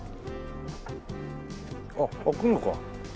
あっ開くのか。